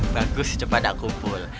bagus cepat nak kumpul